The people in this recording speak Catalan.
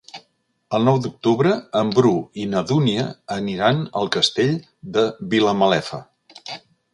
El nou d'octubre en Bru i na Dúnia aniran al Castell de Vilamalefa.